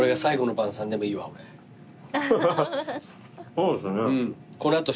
そうですね。